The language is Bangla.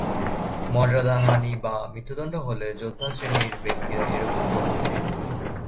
মর্যাদাহানি বা মৃত্যুদন্ড হলে যোদ্ধাশ্রেণীর ব্যক্তিরা এরকম করত।